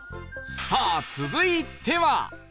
さあ続いては